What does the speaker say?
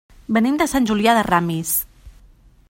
Venim de Sant Julià de Ramis.